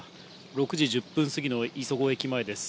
６時１０分過ぎの磯子駅前です。